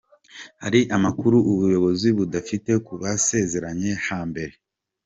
Hari amakuru ubuyobozi budafite ku basezeranye hambere.